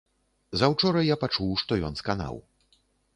Заўчора я пачуў, што ён сканаў.